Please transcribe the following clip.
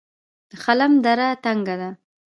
د خلم دره تنګه ده